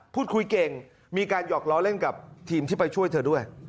พูดคุยเก่งมีการหยอกล้อเล่นกับทีมที่ไปช่วยเธอด้วย